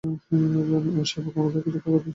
ও সেবা এবং আমাদেরকে রক্ষা করতে এসেছে।